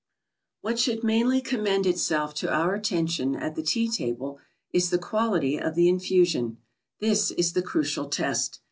What should mainly commend itself to our attention at the tea table, is the quality of the infusion. This is the crucial test.